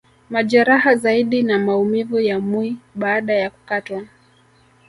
Majeraha zaidi na maumivu ya mwii baada ya kukatwa